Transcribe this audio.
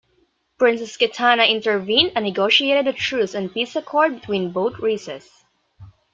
Princess Kitana intervened and negotiated a truce and peace accord between both races.